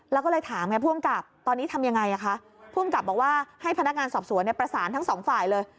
แล้วก็เลยถามไงผู้อำกับตอนนี้ทำยังไงคะผู้อำกับบอกว่าให้พนักงานสอบสวนประสานทั้งสองฝ่ายเลย